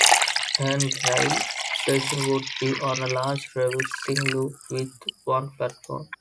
Herne Hill station would be on a large reversing loop with one platform.